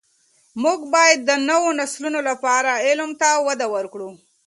موږ باید د نوو نسلونو لپاره علم ته وده ورکړو.